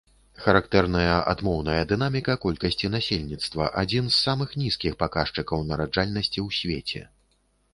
Характэрная адмоўная дынаміка колькасці насельніцтва, адзін з самых нізкіх паказчыкаў нараджальнасці ў свеце.